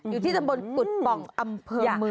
อยู่ที่สมบนกุฎป่องอำเภอเมืองจังหวัดเลย